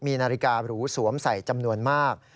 มีนาฬิการูสวมใส่จำนวนมาก